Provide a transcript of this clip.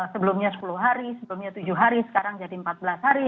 sebelumnya sepuluh hari sebelumnya tujuh hari sekarang jadi empat belas hari